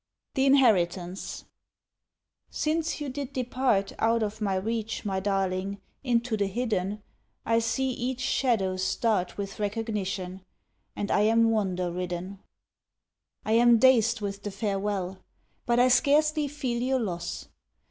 THE INHERITANCE SINCE you did depart Out of my reach, my darling, Into the hidden, I see each shadow start With recognition, and I Am wonder ridden. I am dazed with the farewell, But I scarcely feel your loss.